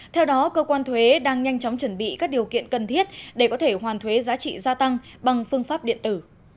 theo đó cơ quan thuế đang nhanh chóng chuẩn bị các điều kiện cần thiết để có thể hoàn thuế giá trị gia tăng bằng phương pháp điện tử